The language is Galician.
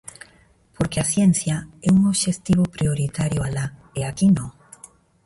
Porque a ciencia é un obxectivo prioritario alá, e aquí non.